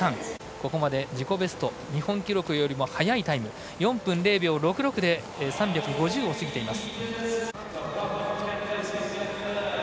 ここまで自己ベスト、日本記録よりも速いタイム４分０秒６６で３５０を過ぎています。